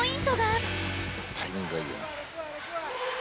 「タイミングがいいよね」